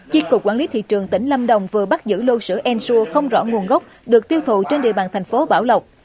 chi cục quản lý thị trường tỉnh lâm đồng vừa bắt giữ lô sữa ensua không rõ nguồn gốc được tiêu thụ trên địa bàn thành phố bảo lộc